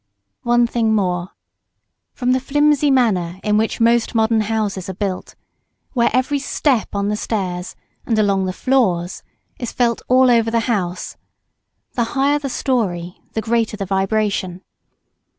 [Sidenote: People overhead.] One thing more: From, the flimsy manner in which most modern houses are built, where every step on the stairs, and along the floors, is felt all over the house; the higher the story, the greater the vibration.